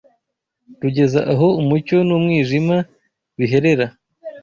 rugeza aho umucyo n’umwijima biherera.”